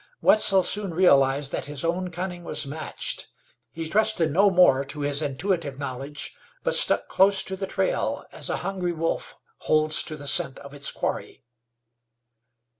Wetzel soon realized that his own cunning was matched. He trusted no more to his intuitive knowledge, but stuck close to the trail, as a hungry wolf holds to the scent of his quarry.